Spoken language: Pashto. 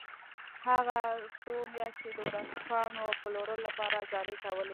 هغه څو میاشتې د ورځپاڼو پلورلو لپاره زارۍ کولې